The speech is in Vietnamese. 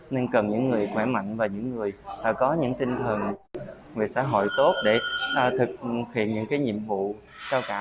nên cần những người khỏe mạnh và những người có những tinh thần về xã hội tốt để thực hiện những nhiệm vụ cao cả